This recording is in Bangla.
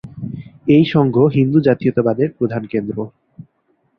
এই সংঘ হিন্দু জাতীয়তাবাদের প্রধান কেন্দ্র।